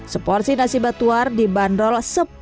seporsi nasi batuar dibanderol rp sepuluh